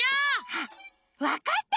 あっわかった！